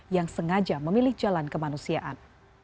yang sengaja memilih jalan kemanusiaan